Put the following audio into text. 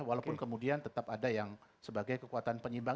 walaupun kemudian tetap ada yang sebagai kekuatan penyeimbang